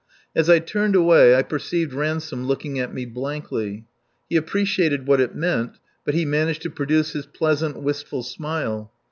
As I turned away I perceived Ransome looking at me blankly. He appreciated what it meant, but managed to produce his pleasant, wistful smile.